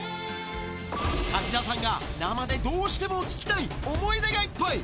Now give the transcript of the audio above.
柿澤さんが生でどうしても聴きたい、想い出がいっぱい。